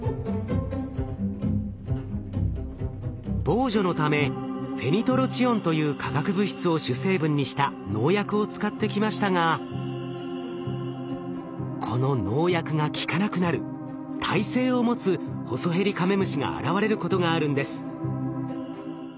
防除のためフェニトロチオンという化学物質を主成分にした農薬を使ってきましたがこの農薬が効かなくなる耐性を持つホソヘリカメムシが現れることがあるんです。